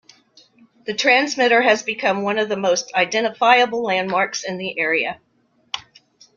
The transmitter has become one of the most identifiable landmarks in the area.